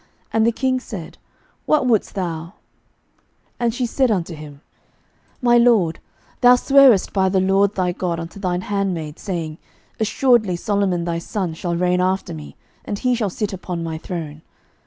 And the king said, What wouldest thou? 11:001:017 And she said unto him, My lord, thou swarest by the LORD thy God unto thine handmaid, saying, Assuredly Solomon thy son shall reign after me, and he shall sit upon my throne.